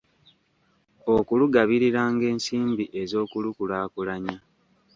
Okulugabiriranga ensimbi ez’okulukulaakulanya